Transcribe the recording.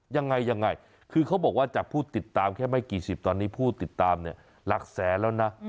ยังไงยังไงคือเขาบอกว่าจากผู้ติดตามแค่ไม่กี่สิบตอนนี้ผู้ติดตามเนี่ยหลักแสนแล้วนะ